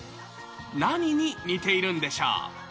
何に似ているんでしょう。